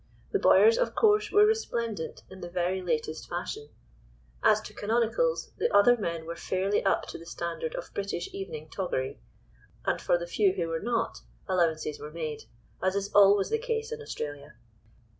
The Bowyers, of course, were resplendent in "the very latest" fashion; as to canonicals, the other men were fairly up to the standard of British evening toggery, and for the few who were not, allowances were made, as is always the case in Australia.